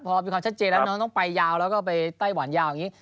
พอมีความชัดเจนแล้วน้องต้องไปยาวแล้วก็ไปไต้หวันยาวอย่างนี้